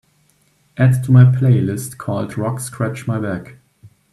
Add to my playlist called rock Scratch My Back